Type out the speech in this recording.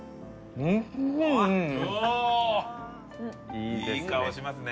いい顔しますね。